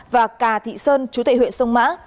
và cà thị sơn chú thệ huyện sông mã